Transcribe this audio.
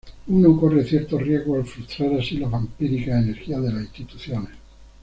Uno corre cierto riesgo al frustrar así las vampíricas energías de las instituciones.